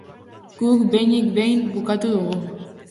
Guk behinik behin bukatu dugu.